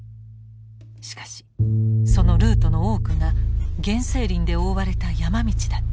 しかしそのルートの多くが原生林で覆われた山道だった。